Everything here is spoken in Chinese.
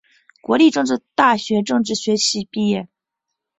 国立政治大学政治学系毕业。